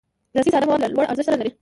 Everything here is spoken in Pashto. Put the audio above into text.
رسۍ ساده مواد له لوړ ارزښت سره لري.